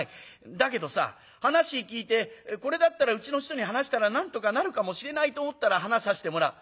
だけどさ話聞いてこれだったらうちの人に話したらなんとかなるかもしれないと思ったら話させてもらう。